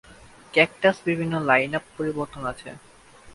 Cactus বিভিন্ন line up পরিবর্তন আছে।